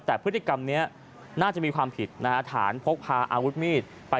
แต่พฤติกรรมนี้น่าจะมีความผิดนะฮะฐานพกพาอาวุธมีดไป